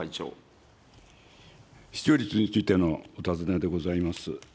視聴率についてのお尋ねでございます。